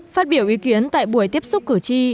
phát biểu ý kiến tại buổi tiếp xúc cử tri